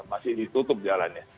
masih ditutup jalannya